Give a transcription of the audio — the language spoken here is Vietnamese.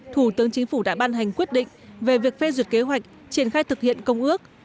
thủ tướng chính phủ đã ban hành quyết định về việc phê duyệt kế hoạch triển khai thực hiện công ước